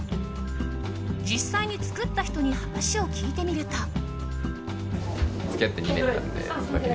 実際に作った人に話を聞いてみると。